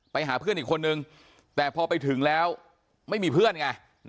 ไปหาเพื่อนอีกคนนึงแต่พอไปถึงแล้วไม่มีเพื่อนไง